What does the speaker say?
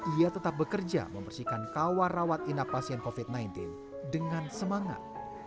ia tetap bekerja membersihkan kamar rawat inap pasien covid sembilan belas dengan semangat